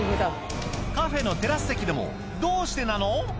カフェのテラス席でもどうしてなの？